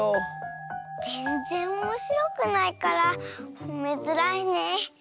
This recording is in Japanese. ぜんぜんおもしろくないからほめづらいね。